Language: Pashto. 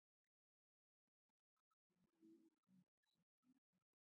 آیا چې د فشارونو پر وړاندې ولاړ دی؟